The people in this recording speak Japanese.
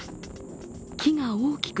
木が大きく